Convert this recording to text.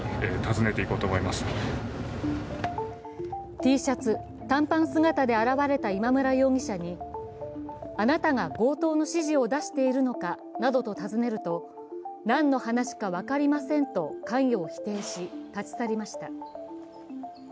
Ｔシャツ、短パン姿で現れた今村容疑者にあなたが強盗の指示を出しているのかなどと尋ねると何の話か分かりませんと関与を否定し、立ち去りました。